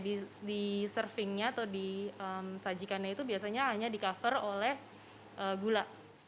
di servingnya atau di sajikannya itu biasanya hanya di cover oleh gula